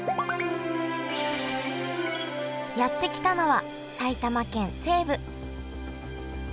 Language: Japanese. やって来たのは埼玉県西部。